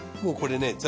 もうこれね